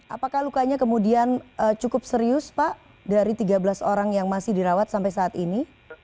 apakah lukanya kemudian cukup serius pak dari tiga belas orang yang masih dirawat sampai saat ini